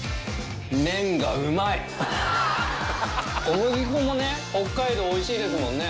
小麦粉もね北海道おいしいですもんね。